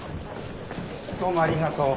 どうもありがとう。